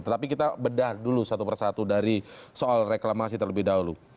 tetapi kita bedah dulu satu persatu dari soal reklamasi terlebih dahulu